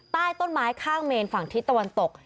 ใต้ต้นไม้ข้างเมนฝั่งทิศตะวันตก